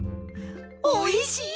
おいしい！